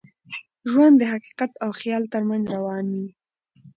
ژوند د حقیقت او خیال تر منځ روان وي.